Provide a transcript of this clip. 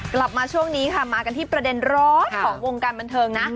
กลับมาช่วงนี้ค่ะมากันที่ประเด็นร้อนของวงการบันเทิงนะ